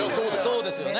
そうですよね